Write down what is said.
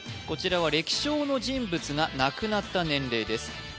こちらは歴史上の人物が亡くなった年齢です